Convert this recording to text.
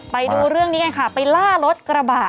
ไปดูเรื่องนี้กันค่ะไปล่ารถกระบะ